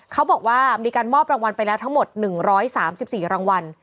เขาบอกว่ามีการมอบรางวัลไปแล้วทั้งหมด๑๓๔รางวัล